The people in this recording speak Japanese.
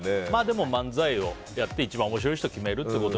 漫才をやって一番面白い人を決めると。